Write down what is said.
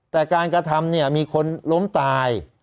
แต่การกระทำเนี่ยมีคนล้มตาย